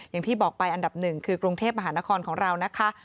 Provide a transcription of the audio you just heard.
อย่างที่บอกไปอันดับหนึ่งคือกรุงเทพมหานครของเรานะคะ